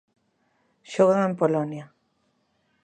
Xoga en Polonia.